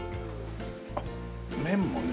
あっ麺もね